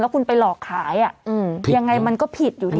คุณไปหลอกขายยังไงมันก็ผิดอยู่นะ